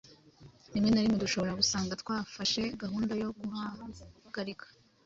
Rimwe na rimwe dushobora gusanga twafashe gahunda yo guhagarika